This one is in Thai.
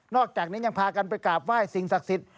อกจากนี้ยังพากันไปกราบไหว้สิ่งศักดิ์สิทธิ